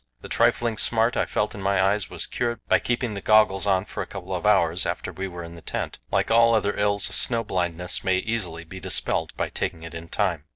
The trifling smart I felt in my eyes was cured by keeping the goggles on for a couple of hours after we were in the tent. Like all other ills, snow blindness may easily be dispelled by taking it in time.